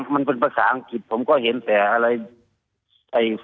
มันเป็นภาษาอังกฤษผมก็เห็นแต่อะไร